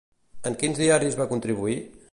En quins diaris va contribuir?